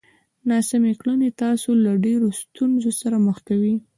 ناسمې کړنې تاسو له ډېرو ستونزو سره مخ کوي!